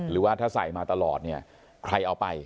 หรือว่าถ้าใส่มาตลอดเนี่ยใครเอาไป